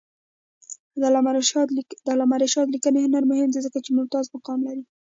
د علامه رشاد لیکنی هنر مهم دی ځکه چې ممتاز مقام لري.